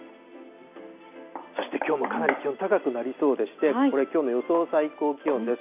そしてきょうもかなり気温高くなりそうでして、これ、きょうの予想最高気温です。